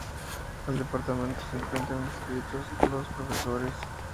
Al Departamento se encuentran adscritos los profesores.